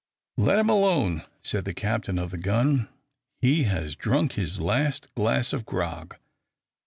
"Let him alone," said the captain of the gun; "he has drunk his last glass of grog.